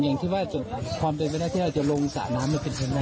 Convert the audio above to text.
อย่างที่ว่าความเป็นไปได้ที่เราจะลงสระน้ำมันเป็นไปได้